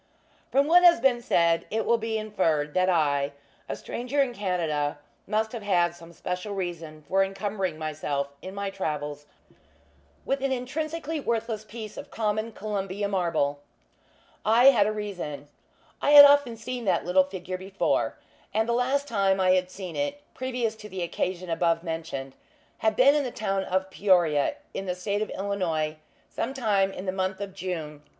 From what has been said, it will be inferred that I a stranger in Canada must have had some special reason for incumbering myself in my travels with an intrinsically worthless piece of common Columbia marble. I had a reason. I had often seen that little figure before; and the last time I had seen it, previous to the occasion above mentioned, had been at the town of Peoria, in the State of Illinois, sometime in the month of June, 1855.